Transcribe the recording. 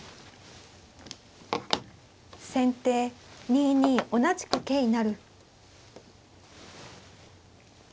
先手２二同じく桂成。